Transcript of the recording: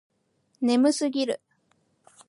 眠すぎる